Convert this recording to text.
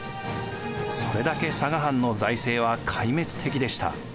それだけ佐賀藩の財政は壊滅的でした。